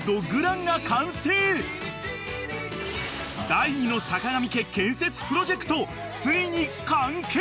［第２の坂上家建設プロジェクトついに完結！］